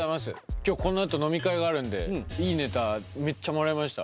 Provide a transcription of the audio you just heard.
今日このあと飲み会があるんでいいネタめっちゃもらいました。